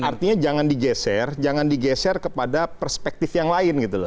artinya jangan di geser jangan di geser kepada perspektif yang lain